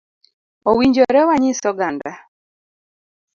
Owinjore wanyis oganda